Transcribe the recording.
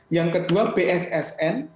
yang kedua bssn